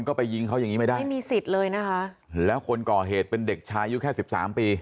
ก็ไปยิงเขาอย่างงี้ไม่ได้ไม่มีสิทธิ์เลยนะคะแล้วคนก่อเหตุเป็นเด็กชายุแค่สิบสามปี